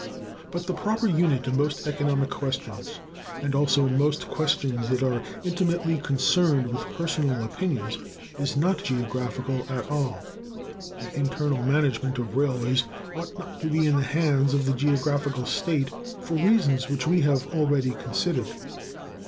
But the proper unit in most economic questions, and also in most questions that are intimately concerned with personal opinions, is not geographical at all. The internal management of railways ought not to be in the hands of the geographical state, for reasons which we have already considered.